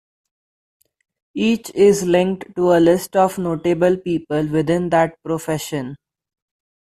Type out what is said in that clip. Each is linked to a list of notable people within that profession.